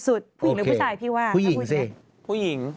ผู้หญิงหรือผู้ชายพี่ว่าพูดไงพูดไง